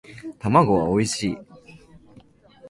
卵はおいしい